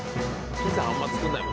ピザあんま作んないもん。